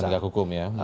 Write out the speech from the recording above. penegak hukum ya